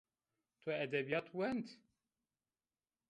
To edebîyat wend